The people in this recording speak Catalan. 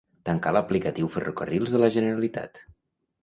Tancar l'aplicatiu Ferrocarrils de la Generalitat.